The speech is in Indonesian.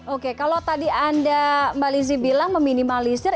oke kalau tadi anda mbak lizzie bilang meminimalisir